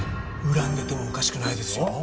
恨んでてもおかしくないですよ。